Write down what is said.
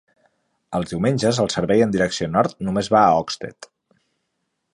Els diumenges, el servei en direcció nord només va a Oxted.